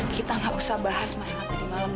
kita gak usah bahas masalah tadi malam